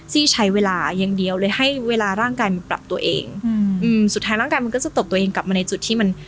ซี่ใช้เวลาอย่างเดียวเลยให้เวลาร่างกายมันปรับตัวเองอืมสุดท้ายร่างกายมันก็จะตกตัวเองกลับมาในจุดที่มัน